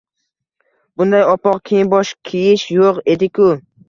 Bunday oppoq kiyim-bosh kiyish yo‘q edi-ku?